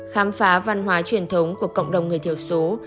khám phá văn hóa truyền thống của cộng đồng người thiểu số